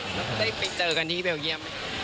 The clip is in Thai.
ได้เจอกันที่เบียลเยี่ยมไหมครับ